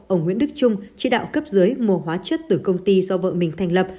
ông nguyễn đức trung chỉ đạo cấp dưới mua hóa chất từ công ty do vợ mình thành lập